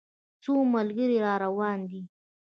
څو ملګري را روان دي.